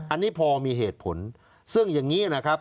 อันนี้พอมีเหตุผลซึ่งอย่างนี้นะครับ